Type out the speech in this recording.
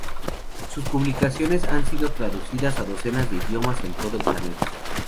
Sus publicaciones han sido traducidas a docenas de idiomas en todo el planeta.